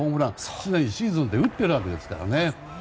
すでに今シーズン打ってるわけですからね。